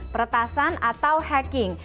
pertasan atau hacking